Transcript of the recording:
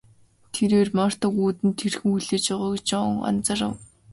Тэрээр Мартаг үүдэнд хэрхэн хүлээж байгааг Жон анзаарав.